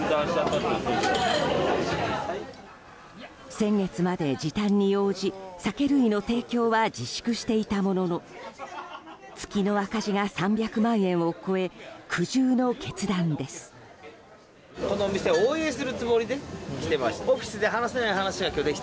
先月まで時短に応じ酒類の提供は自粛していたものの月の赤字が３００万円を超え苦渋の決断です。